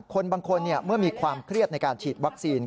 คนบางคนเมื่อมีความเครียดในการฉีดวัคซีน